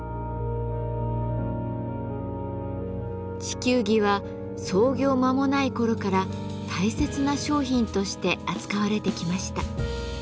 地球儀は創業間もない頃から大切な商品として扱われてきました。